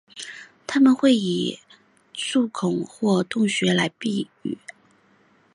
它们会以树孔或洞穴来避雨。